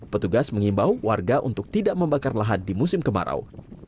petugas mengimbau warga untuk tidak membakarlah di musim kemarau